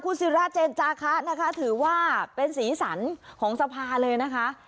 คุณศรีราจรรย์จ้าคะถือว่าเป็นศรีสรรค์ของสภาเลยนะคะ